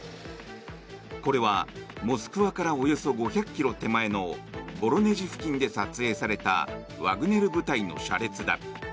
これはモスクワからおよそ５００ｋｍ手前のボロネジ付近で撮影されたワグネル部隊の車列だ。